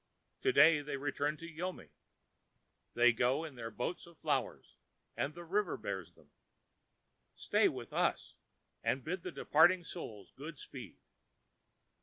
To day they return to Yomi. They go in their boats of flowers, the river bears them. Stay with us and bid the departing Souls good speed.